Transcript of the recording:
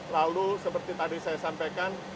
lalu seperti tadi saya sampaikan